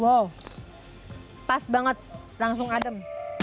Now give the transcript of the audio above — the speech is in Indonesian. wow pas banget langsung adem